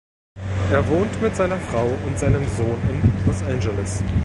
Er wohnt mit seiner Frau und seinem Sohn in Los Angeles.